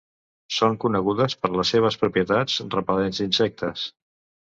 Són conegudes per les seves propietats repel·lents d'insectes.